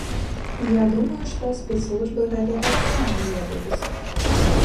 Я думаю, што спецслужбы гэта таксама ведаюць.